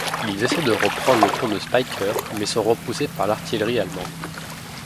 Ils essaient de reprendre le pont de Spycker mais sont repoussés par l'artillerie allemande.